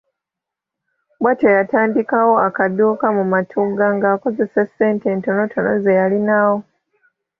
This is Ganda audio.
Bw’atyo yatandikawo akaduuka mu Matugga ng’akozesa essente entonotono ze yalinawo.